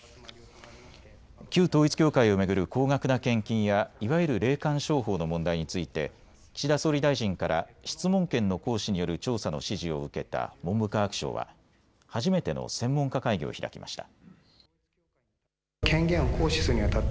旧統一教会を巡る高額な献金やいわゆる霊感商法の問題について岸田総理大臣から質問権の行使による調査の指示を受けた文部科学省は初めての専門家会議を開きました。